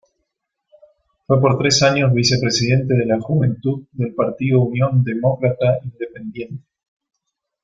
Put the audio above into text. Fue por tres años vicepresidente de la Juventud del Partido Unión Demócrata Independiente.